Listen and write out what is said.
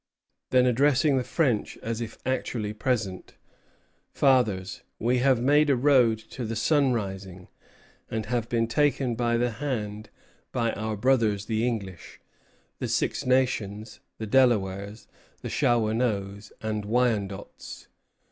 Then addressing the French as if actually present: "Fathers, we have made a road to the sun rising, and have been taken by the hand by our brothers the English, the Six Nations, the Delawares, Shawanoes, and Wyandots.